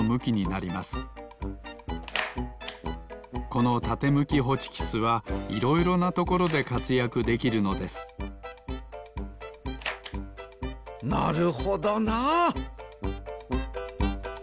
このたてむきホチキスはいろいろなところでかつやくできるのですなるほどなあ。